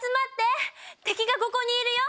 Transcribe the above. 敵がここにいるよ！